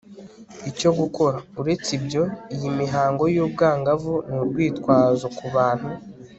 icyo gukora. uretse ibyo, iyi mihango y'ubwangavu ni urwitwazo kubantu